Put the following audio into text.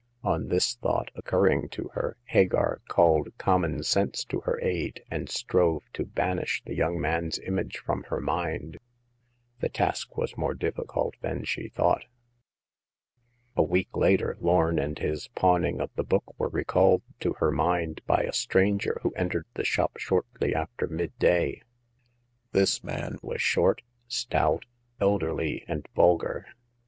On this thought occurring to her, Hagar called common sense to her aid, and strove to banish the young man's image from her mind. The task was more difficult than she thought. A week later, Lorn and his pawning of the book were recalled to her mind by a stranger who entered the shop shortly after midday. This man was short, stout, elderly and vulgar.